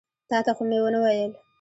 تا ته خو مې ونه ویل.